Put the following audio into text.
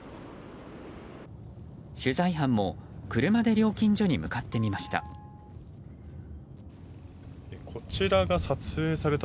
取材班も車で料金所に向かってみました。